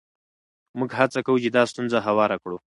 موږ هڅه کوو چې دا ستونزه هواره کړو.